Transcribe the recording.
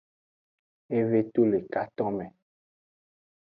Eve to le katonme.